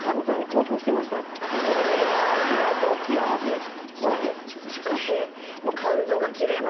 相当強いらしいです